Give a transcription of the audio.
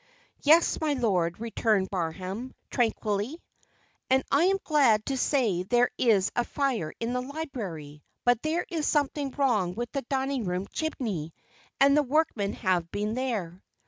"Yes, my lord," returned Barham, tranquilly. "And I am glad to say there is a fire in the library; but there is something wrong with the dining room chimney, and the workmen have been there."